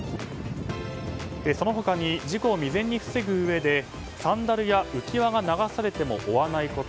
その他に事故を未然に防ぐうえでサンダルや浮き輪が流されても追わないこと。